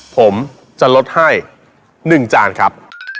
ผมจะลดให้๑จานครับ